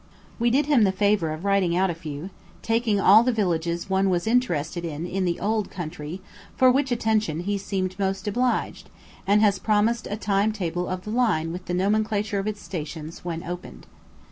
We did him the favour of writing out a few, taking all the villages one was interested in in the "Ould Countrie," for which attention he seemed much obliged, and has promised a time table of the line with the nomenclature of its stations when opened.